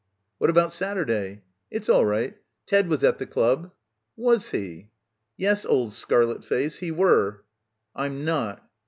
"What about Saturday?" "It's all right. Ted was at the club." "Was he!" "Yes, old scarlet face, he were." "I'm not."